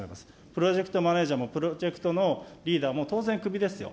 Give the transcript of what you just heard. プロジェクトマネージャーも、プロジェクトのリーダーもくびですよ。